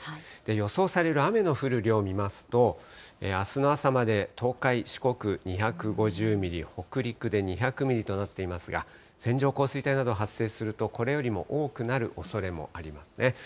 予想される雨の降る量見ますと、あすの朝まで、東海、四国２５０ミリ、北陸で２００ミリとなっていますが、線状降水帯など発生すると、これよりも多くなるおそれもありますね。